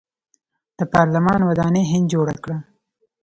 د پارلمان ودانۍ هند جوړه کړه.